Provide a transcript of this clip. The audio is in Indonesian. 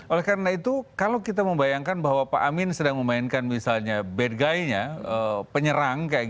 oleh karena itu kalau kita membayangkan bahwa pak amin sedang memainkan misalnya bad guy nya penyerang